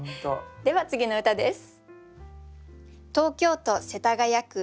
では次の歌です。